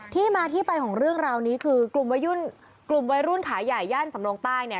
ที่มาที่ไปของเรื่องราวนี้คือกลุ่มวัยรุ่นขาย่ายย่านสำนองใต้เนี่ย